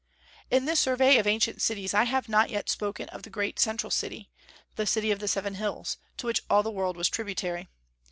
In this survey of ancient cities I have not yet spoken of the great central city, the City of the Seven Hills, to which all the world was tributary.